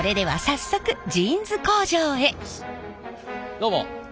どうも！